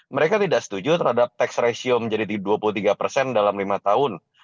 mereka tidak setuju terhadap tax ratio menjadi dua puluh tiga persen dalam lima tahun